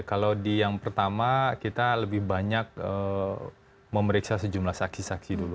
kalau di yang pertama kita lebih banyak memeriksa sejumlah saksi saksi dulu